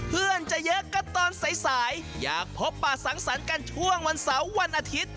เพื่อนจะเยอะก็ตอนสายอยากพบป่าสังสรรค์กันช่วงวันเสาร์วันอาทิตย์